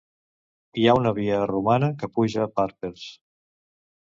Hi ha una via romana que puja a Parpers